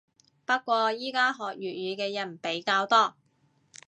不過依家學粵語嘅人比較多